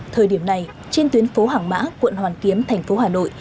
thời điểm này trên tuyến phố hàng mã quận hoàn kiếm thành phố hà nội